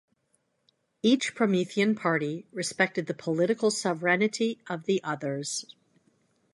Each Promethean party respected the political sovereignty of the others.